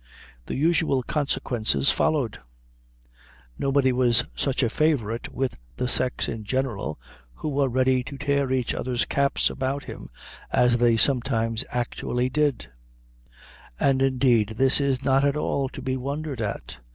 The usual consequences followed. Nobody was such a favorite with the sex in general, who were ready to tear each other's caps about him, as they sometimes actually did; and indeed this is not at all to be wondered at.